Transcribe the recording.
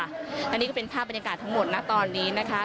อันนี้ก็เป็นภาพบรรยากาศทั้งหมดนะตอนนี้นะคะ